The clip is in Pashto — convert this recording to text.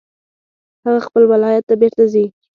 هغه خپل ولایت ته بیرته ځي